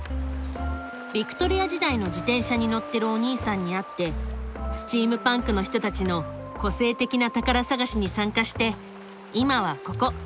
ビクトリア時代の自転車に乗ってるおにいさんに会ってスチームパンクの人たちの個性的な宝探しに参加して今はここ。